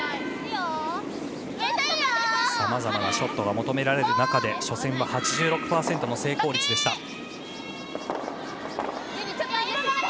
さまざまなショットが求められる中で初戦は８６％の成功率でした。